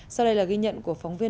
sau đây là ghi nhận của phóng viên